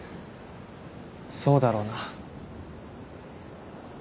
そうだろうな